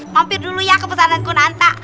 mampir dulu ya ke pesanan kunanta